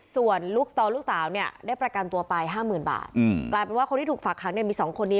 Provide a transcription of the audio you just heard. ส่วนลูกตอนลูกสาวเนี้ยได้ประกันตัวปลายห้าหมื่นบาทอืมกลายเป็นว่าคนที่ถูกฝากค้างเนี้ยมีสองคนนี้